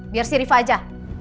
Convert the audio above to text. biar si rifah aja